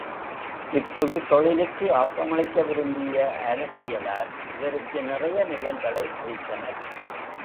இப்புதுத் தொழிலுக்கு ஆக்கமளிக்க விரும்பிய அரசியலார், இவருக்கு நிறைய நிலங்களை அளித்தனர்.